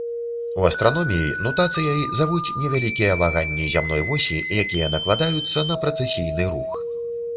У астраноміі нутацыяй завуць невялікія ваганні зямной восі, якія накладаюцца на прэцэсійны рух.